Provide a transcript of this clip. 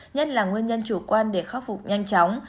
nhất là nguyên nhân chủ quan để khắc phục nhanh chóng